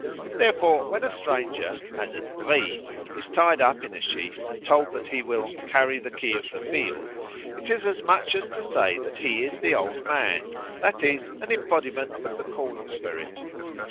Therefore, when a stranger, as at Brie, is tied up in a sheaf and told that he will "carry the key of the field," it is as much as to say that he is the Old Man, that is, an embodiment of the corn spirit.